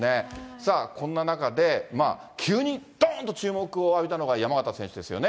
さあ、こんな中で、急にどんと注目を浴びたのが山縣選手ですよね。